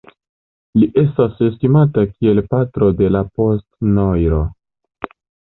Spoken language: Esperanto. Li estas estimata kiel "patro de la "post-noir"".